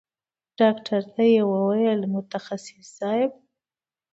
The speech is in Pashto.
ډاکتر ته يې وويل متخصص صايب.